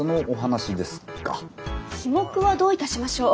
費目はどういたしましょう？